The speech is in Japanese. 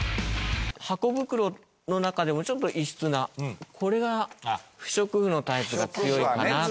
ハコ袋の中でもちょっと異質なこれが不織布のタイプが強いかなと。